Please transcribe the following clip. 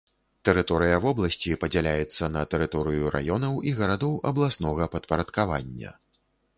Тэрыторыя вобласці падзяляецца на тэрыторыю раёнаў і гарадоў абласнога падпарадкавання.